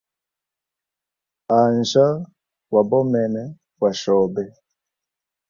Anjya, wa bomene bwa shobe.